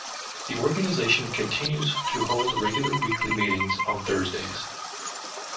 The organization continues to hold regular weekly meetings on Thursdays.